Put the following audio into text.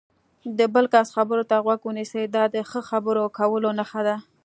د بل کس خبرو ته غوږ ونیسئ، دا د ښه خبرو کولو نښه ده.